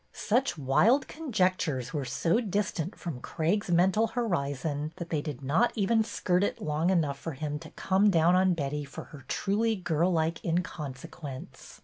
Such wild conjectures were so distant from Craig's mental horizon that they did not even skirt it long enough for him to come down " on Betty for her truly girl like inconsequence.